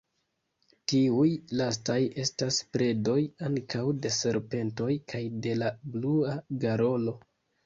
Tiuj lastaj estas predoj ankaŭ de serpentoj kaj de la Blua garolo.